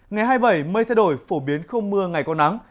ngày hai mươi bảy mây thay đổi phổ biến không mưa ngày có nắng